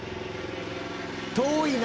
遠いな！